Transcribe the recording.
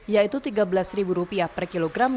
yaitu rp tiga belas per kilogram